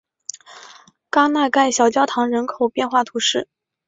戈纳盖小教堂人口变化图示